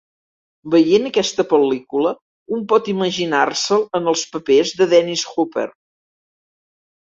Veient aquesta pel·lícula, un pot imaginar-se'l en els papers de Dennis Hopper.